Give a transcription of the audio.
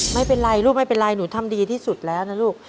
ไม่เป็นไรลูกไม่เป็นไรหนูทำดีที่สุดแล้วนะลูก